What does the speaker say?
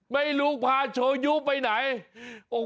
ไม่รู้พาโชยุไปไหน